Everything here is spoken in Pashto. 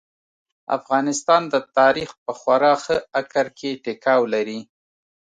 افغانستان د تاريخ په خورا ښه اکر کې ټيکاو لري.